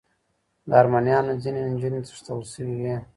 د ارمنیانو ځینې نجونې تښتول شوې وې.